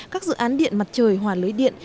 các dự án điện mặt trời hòa lưới điện